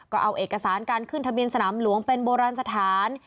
ก็เอาเอกสารการขึ้นทะเบียนสนามหลวงเป็นโบราณสถาน